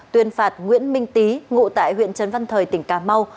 tuyên phạt nguyễn minh tý ngụ tại huyện trấn văn thời tỉnh cà mau